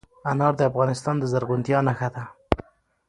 انار د افغانستان د زرغونتیا نښه ده.